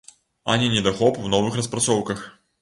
А не недахоп у новых распрацоўках.